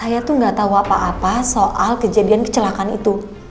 saya tuh gak tahu apa apa soal kejadian kecelakaan itu